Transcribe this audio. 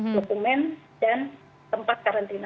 dokumen dan tempat karantina